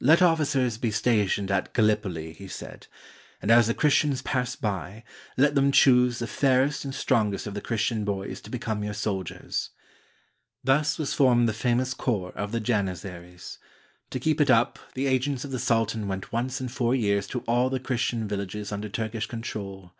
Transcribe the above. "Let officers be stationed at Gallipoli," he said, "and as the Christians pass by, let them choose the fairest and strongest of the Christian boys to become your soldiers." Thus was formed the famous corps of the Janizaries. To keep it up, the agents of the sultan went once in four years to all the Christian villages under Turkish control.